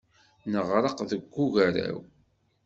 Neɣreq deg ugaraw.